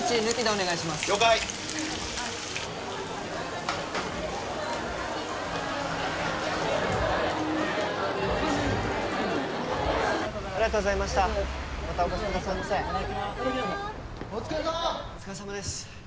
お疲れさまです。